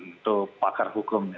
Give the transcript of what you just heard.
itu pakar hukum